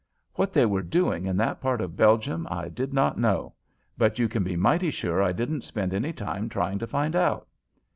What they were doing in that part of Belgium I did not know, but you can be mighty sure I didn't spend any time trying to find out.